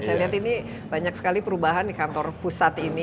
saya lihat ini banyak sekali perubahan di kantor pusat ini